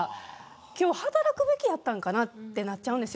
今日、働くべきだったんかなとなってしまうんです。